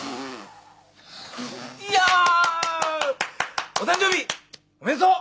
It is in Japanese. いよお誕生日おめでとう。